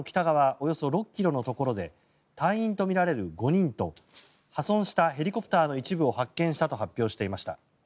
およそ６ｋｍのところで隊員とみられる５人と破損したヘリコプターの一部を発見したと発表していました。